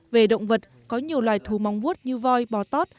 về động vật có nhiều loài thú mong vuốt như voi bò tót